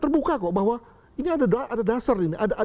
saya kira bahwa ini ada dasar